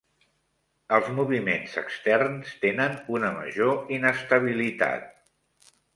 Els moviments externs tenen una major inestabilitat.